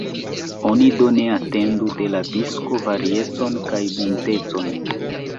Oni do ne atendu de la disko variecon kaj buntecon.